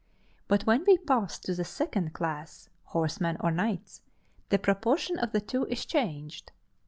But when we pass to the second class, horsemen or knights, the proportion of the two is changed.